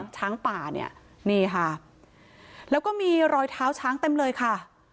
ช้างป่าเนี่ยนี่ค่ะแล้วก็มีรอยเท้าช้างเต็มเลยค่ะ